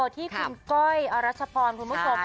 ที่คุณก้อยอรัชพรคุณผู้ชม